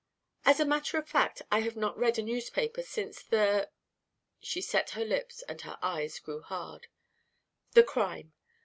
"As a matter of fact I have not read a newspaper since the " She set her lips and her eyes grew hard "the crime.